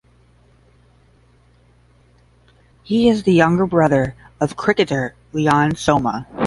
He is the younger brother of cricketer Leon Soma.